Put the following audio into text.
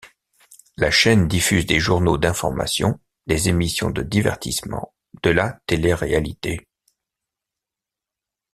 La chaîne diffuse des journaux d'informations, des émissions de divertissements, de la téléréalité.